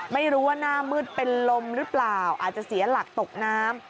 ไม่รู้ว่าหน้ามืดเป็นลมหรือเปล่าอาจจะเสียหลักตกน้ำ